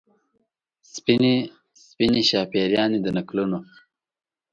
سپینې، سپینې شاپیريانې د نکلونو